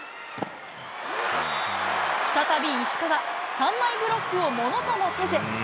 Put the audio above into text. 再び石川、３枚ブロックをものともせず。